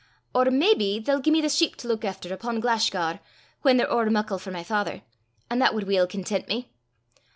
Or maybe they'll gie me the sheep to luik efter upo' Glashgar, whan they're ower muckle for my father, an' that wad weel content me.